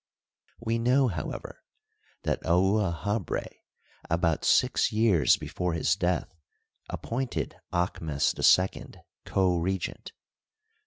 We know, however, that Ouahabra, about six years before his death, appointed Aahmes II co regent.